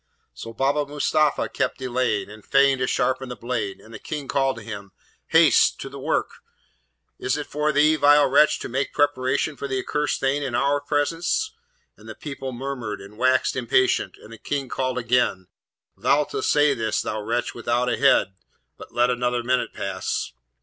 So Baba Mustapha kept delaying, and feigned to sharpen the blade, and the King called to him, 'Haste! to the work! is it for thee, vile wretch, to make preparation for the accursed thing in our presence?' And the people murmured and waxed impatient, and the King called again, 'Thou'lt essay this, thou wretch, without a head, let but another minute pass.'